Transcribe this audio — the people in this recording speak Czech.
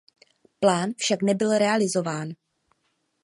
Plán však nebyl realizován.